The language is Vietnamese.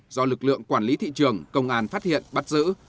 do lực lượng quản lý thị trường công an phát hiện bắt giữ